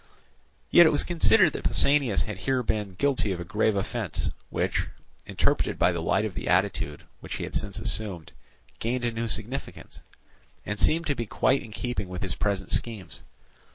Yet it was considered that Pausanias had here been guilty of a grave offence, which, interpreted by the light of the attitude which he had since assumed, gained a new significance, and seemed to be quite in keeping with his present schemes.